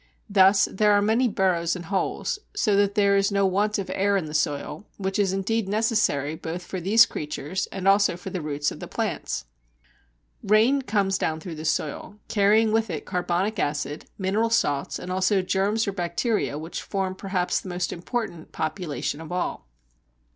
Thus there are many burrows and holes, so that there is no want of air in the soil, which is indeed necessary both for these creatures and also for the roots of the plants. Rain comes down through the soil, carrying with it carbonic acid, mineral salts, and also germs or bacteria, which form perhaps the most important population of all.